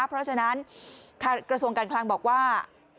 เพราะฉะนั้นกระทรวงการคลังบอกว่า